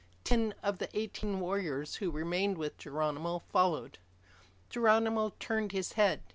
Ten of the eighteen warriors who remained with Geronimo followed. Geronimo turned his head.